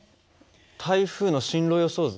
台風の進路予想図？